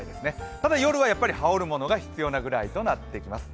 ただ、夜はやはり羽織るものが必要なぐらいとなってきます。